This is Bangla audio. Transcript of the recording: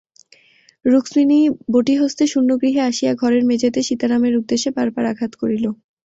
রুক্মিণী বঁটিহস্তে শূন্যগৃহে আসিয়া ঘরের মেজেতে সীতারামের উদ্দেশে বার বার আঘাত করিল।